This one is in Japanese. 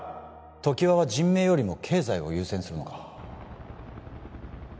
常盤は人命よりも経済を優先するのか？